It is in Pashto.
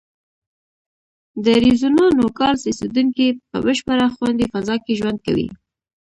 د اریزونا نوګالس اوسېدونکي په بشپړه خوندي فضا کې ژوند کوي.